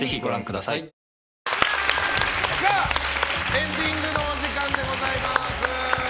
エンディングのお時間でございます。